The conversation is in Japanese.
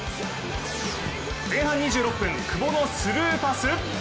前半２６分、久保のスルーパス。